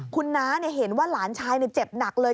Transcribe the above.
คุณน้าเห็นว่าหลานชายเจ็บหนักเลย